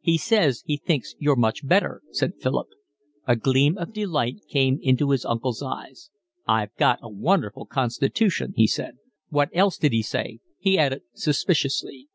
"He says he thinks you're much better," said Philip. A gleam of delight came into his uncle's eyes. "I've got a wonderful constitution," he said. "What else did he say?" he added suspiciously.